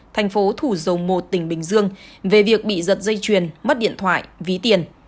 thành phố thủ dầu một tỉnh bình dương về việc bị giật dây chuyền mất điện thoại ví tiền